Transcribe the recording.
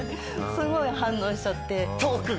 すごい反応しちゃって。